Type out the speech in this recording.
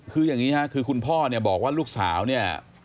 คืออย่างนี้ค่ะคือคุณพ่อเนี่ยบอกว่าลูกสาวเนี่ย